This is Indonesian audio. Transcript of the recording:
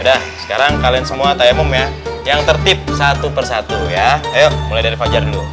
dah sekarang kalian semua tayemum ya yang tertip satu persatu ya ayo mulai dari fajar dulu